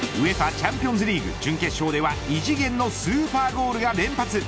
チャンピオンズリーグ準決勝では異次元のスーパーゴールが連発。